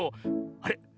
あれ？